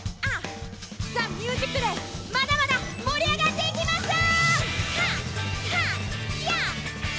ＴＨＥＭＵＳＩＣＤＡＹ、まだまだ盛り上がっていきましょう！